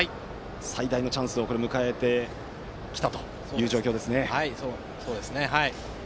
最大のチャンスを迎えてきたそうですね。